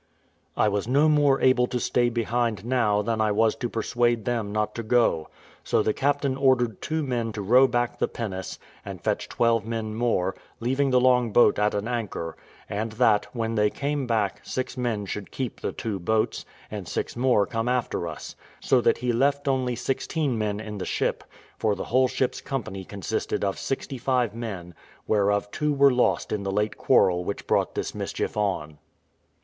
I was no more able to stay behind now than I was to persuade them not to go; so the captain ordered two men to row back the pinnace, and fetch twelve men more, leaving the long boat at an anchor; and that, when they came back, six men should keep the two boats, and six more come after us; so that he left only sixteen men in the ship: for the whole ship's company consisted of sixty five men, whereof two were lost in the late quarrel which brought this mischief on.